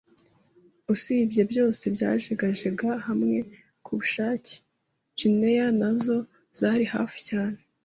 usibye, byose byajegajega hamwe kubushake. Gineya, nazo zari hafi cyane,